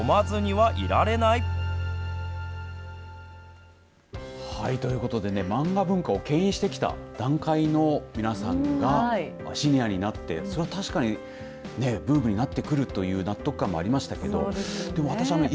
はい、ということで漫画文化をけん引してきた団塊の皆さんがシニアになって確かにブームになってくるという納得感もありましたけど。